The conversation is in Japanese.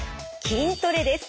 筋トレです。